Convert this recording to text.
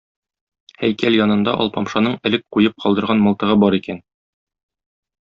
Һәйкәл янында Алпамшаның элек куеп калдырган мылтыгы бар икән.